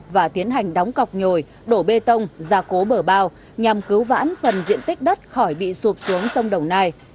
và tiến hành đóng cọc nhồi đổ bê tông ra cố bờ bao nhằm cứu vãn phần diện tích đất khỏi bị sụp xuống sông đồng nai